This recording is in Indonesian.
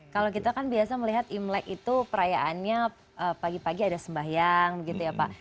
kalau kita kan biasa melihat imlek itu perayaannya pagi pagi ada sembahyang gitu ya pak